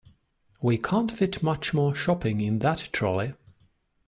We can’t fit much more shopping in that trolley